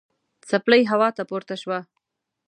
څپلۍ هوا ته پورته شوه.